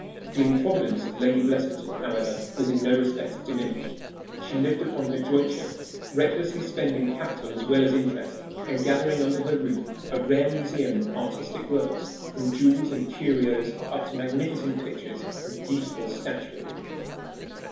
The improvidence of Lady Blessington, however, was in no respect diminished. She lived upon her jointure, recklessly spending capital as well as interest, and gathering under her roof a rare museum of artistic works, from jewels and curios up to magnificent pictures and beautiful statuary.